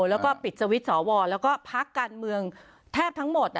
แล้วก็ปิดสวิตช์สวแล้วก็พักการเมืองแทบทั้งหมด